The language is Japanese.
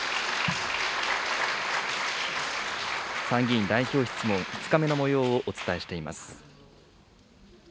参議院代表質問、５日目のもようをお伝えしています。